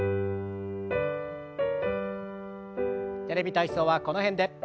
「テレビ体操」はこの辺で。